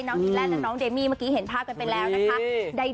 ดีแลนดและน้องเดมี่เมื่อกี้เห็นภาพกันไปแล้วนะคะ